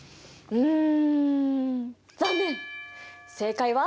うん。